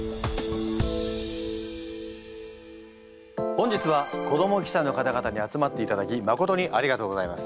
本日は子ども記者の方々に集まっていただきまことにありがとうございます。